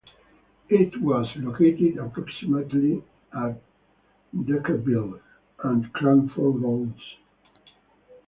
It was located approximately at Deckerville and Crawford roads.